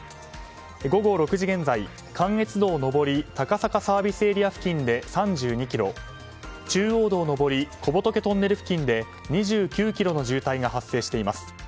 午後６時現在、関越道上り高坂ＳＡ付近で３２ｋｍ中央道上り小仏トンネル付近で２９ｋｍの渋滞が発生しています。